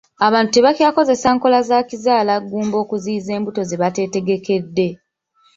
Abantu tebakyakozesa nkola za kizaalagumba okuziyiza embuto ze batetegekedde.